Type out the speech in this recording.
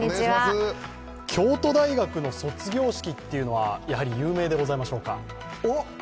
京都大学の卒業式というのは、やはり有名でございましょうか？